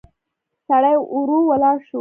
سړی ورو ولاړ شو.